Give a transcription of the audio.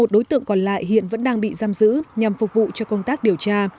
một mươi đối tượng còn lại hiện vẫn đang bị giam giữ nhằm phục vụ cho công tác điều tra